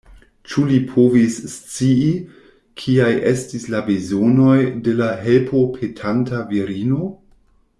Ĉu li povis scii, kiaj estis la bezonoj de la helpopetanta virino?